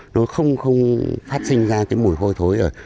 nó không không phát sinh ra cái mùi hôi thối ở